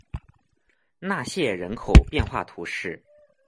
纳谢人口变化图示